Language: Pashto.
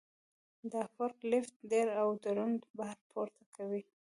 دا فورک لیفټ ډېر او دروند بار پورته کوي.